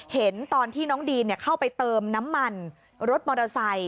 เห็นตอนที่น้องดีนเข้าไปเติมน้ำมันรถมอเตอร์ไซค